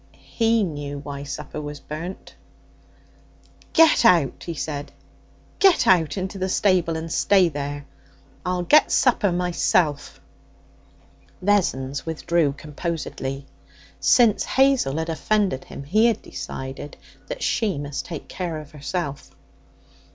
He knew why supper was burnt. 'Get out!' he said. 'Get out into the stable and stay there. I'll get supper myself.' Vessons withdrew composedly. Since Hazel had offended him, he had decided that she must take care of herself.